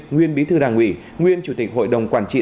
nguyên bí thư đảng ủy nguyên chủ tịch hội đồng quản trị